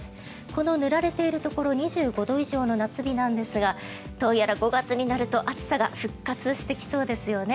この塗られているところ２５度以上の夏日なんですがどうやら５月になると暑さが復活してきそうですよね。